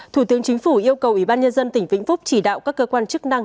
thủ tướng chính phủ yêu cầu ủy ban nhân dân tỉnh vĩnh phúc chỉ đạo các cơ quan chức năng